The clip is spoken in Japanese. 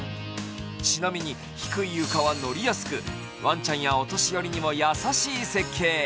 ちなみに低い床は乗りやすくワンちゃんやお年寄りにも優しい設計。